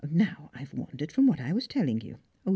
Now I have wandered from what I was telling you oh!